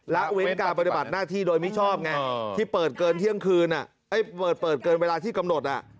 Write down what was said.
ละเว้นการปฏิบัติหน้าที่โดยไม่ชอบไงที่เปิดเกินเวลาที่กำหนด